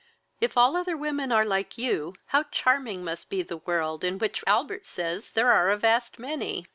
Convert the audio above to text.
If all other women are like you, how charming must be the world, in which Albert says there are a vast many!